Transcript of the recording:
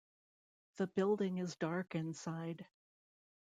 The building is dark inside.